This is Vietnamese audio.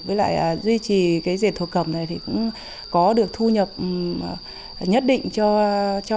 với lại duy trì cái dệt thổ cẩm này thì cũng có được thu nhập nhất định